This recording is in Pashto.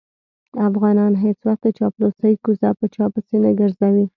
افغانان هېڅ وخت د چاپلوسۍ کوزه په چا پسې نه ګرځوي.